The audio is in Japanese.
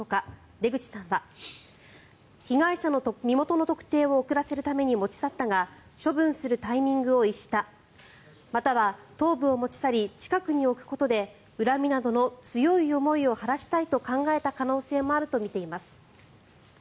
出口さんは被害者の身元の特定を遅らせるために持ち去ったが処分するタイミングを逸したまたは頭部を持ち去り近くに置くことで恨みなどの強い思いを晴らしたいと考えた可能性もあるとみています。